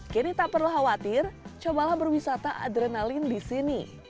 kini tak perlu khawatir cobalah berwisata adrenalin di sini